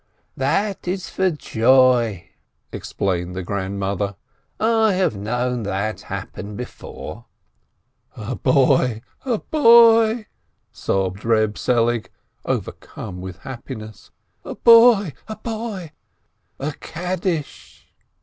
"That is for joy," explained the "grandmother," "I have known that happen before." "A boy .. a boy !" sobbed Eeb Selig, overcome with happiness, "a boy ... a boy ... a Kaddish